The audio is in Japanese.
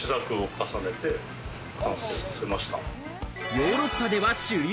ヨーロッパでは主流。